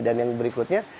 dan yang berikutnya